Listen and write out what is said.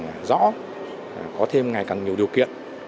và rõ có thêm ngày càng nhiều điều kiện